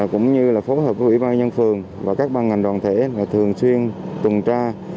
cũng như là phối hợp với ủy ban nhân phường và các ban ngành đoàn thể thường xuyên tuần tra